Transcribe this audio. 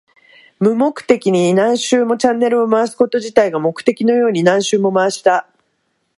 無目的に何周も。チャンネルを回すこと自体が目的のように何周も回した。